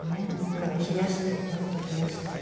だから冷やして本当冷やして。